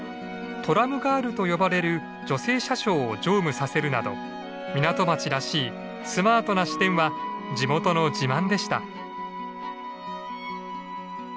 「トラムガール」と呼ばれる女性車掌を乗務させるなど港町らしいスマートな市電は地元の自慢でした。